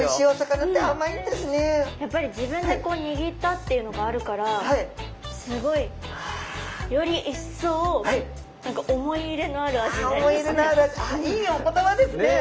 やっぱり自分でこう握ったっていうのがあるからすごいより一層何か「思い入れのある味」ああいいお言葉ですね。